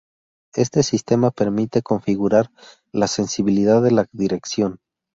Este sistema permite configurar la sensibilidad de la dirección.